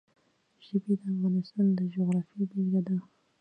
ژبې د افغانستان د جغرافیې بېلګه ده.